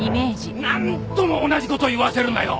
何度も同じ事を言わせるなよ！